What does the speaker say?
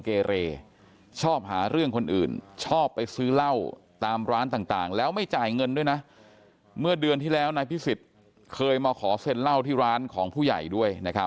เขากลับไปนอนบันพอแล้ว